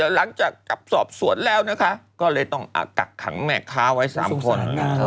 หลังจากกับสอบสวนแล้วนะคะก็เลยต้องกักขังแม่ค้าไว้๓คน